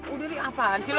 udah nih apaan sih lo